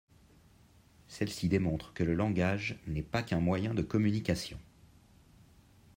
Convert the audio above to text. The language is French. Celle-ci démontre que le langage n'est pas qu'un moyen de communication.